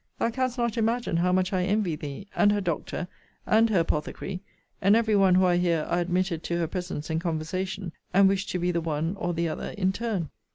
Thou canst not imagine how much I envy thee, and her doctor, and her apothecary, and every one who I hear are admitted to her presence and conversation; and wish to be the one or the other in turn.